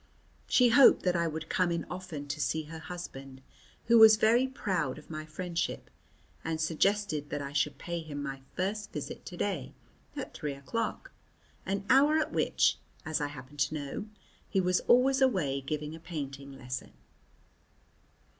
She hoped that I would come in often to see her husband, who was very proud of my friendship, and suggested that I should pay him my first visit to day at three o'clock, an hour at which, as I happened to know, he is always away giving a painting lesson.